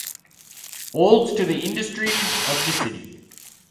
Olds to the industries of the city.